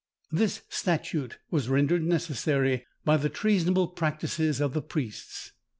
This statute was rendered necessary by the treasonable practices of the priests.